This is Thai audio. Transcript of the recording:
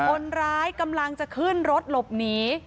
คนร้ายกำลังจะขึ้นรถหลบหนี